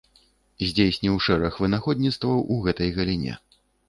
Здзейсніў шэраг вынаходніцтваў у гэтай галіне.